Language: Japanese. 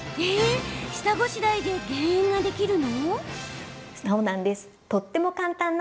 えっ、下ごしらえで減塩ができるの？